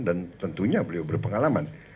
dan tentunya beliau berpengalaman